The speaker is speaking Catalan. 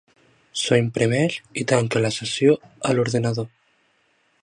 S'ho imprimeix i tanca la sessió a l'ordinador.